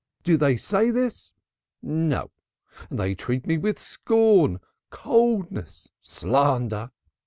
Do they say this? No! They greet me with scorn, coldness, slander.